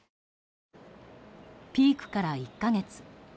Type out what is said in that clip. ピークから１か月。